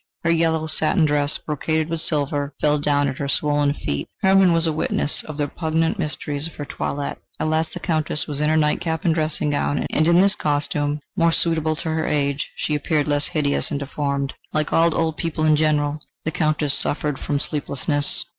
Her yellow satin dress, brocaded with silver, fell down at her swollen feet. Hermann was a witness of the repugnant mysteries of her toilette; at last the Countess was in her night cap and dressing gown, and in this costume, more suitable to her age, she appeared less hideous and deformed. Like all old people in general, the Countess suffered from sleeplessness.